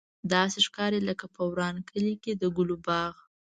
داسې ښکاري لکه په وران کلي کې د ګلو باغ.